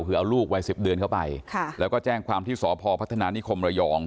คือเอาลูกวัย๑๐เดือนเข้าไปแล้วก็แจ้งความที่สพพัฒนานิคมระยอง